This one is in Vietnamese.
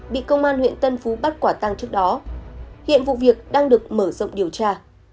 bị công an huyện tân phú bắt quả tăng trước đó hiện vụ việc đang được mở rộng điều tra